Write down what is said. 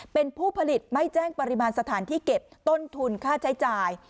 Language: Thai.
เป็นผู้ผลิตไม่แจ้งปริมาณสถานที่เก็บต้นทุนค่าใช้จ่าย